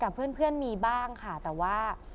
เพื่อนมีบ้างค่ะแต่ว่า